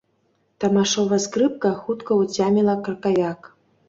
Тамашова скрыпка хутка ўцяміла кракавяк.